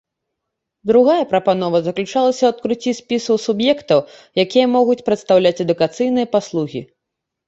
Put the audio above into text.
Другая прапанова заключалася ў адкрыцці спісаў суб'ектаў, якія могуць прадастаўляць адукацыйныя паслугі.